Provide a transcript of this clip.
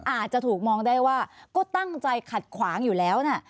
อาจจะถูกมองได้ว่าก็ตั้งใจขัดขวางอยู่แล้วนะ